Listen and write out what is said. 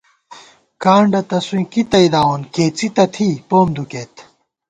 کانڈہ تسُوئیں کی تئیدارون، کېڅی تہ تھی پوم دُکېت